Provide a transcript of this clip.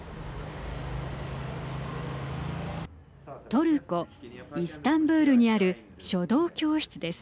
トルコ、イスタンブールにある書道教室です。